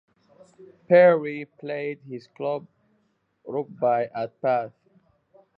Perry played his club rugby at Bath.